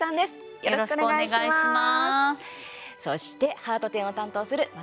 よろしくお願いします。